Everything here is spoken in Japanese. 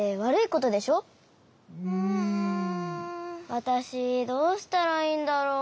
わたしどうしたらいいんだろう。